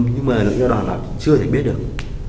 nhưng mà lãnh đạo đoàn là chưa thể biết được